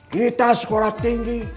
kita sekolah tinggi